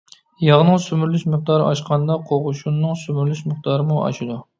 ياغنىڭ سۈمۈرۈلۈش مىقدارى ئاشقاندا قوغۇشۇننىڭ سۈمۈرۈلۈش مىقدارىمۇ ئاشىدۇ.